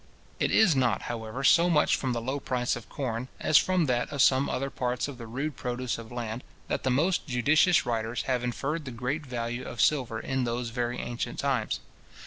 It is not, however, so much from the low price of corn, as from that of some other parts of the rude produce of land, that the most judicious writers have inferred the great value of silver in those very ancient times.